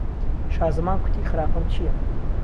شازەمان کوتی خراپەم چییه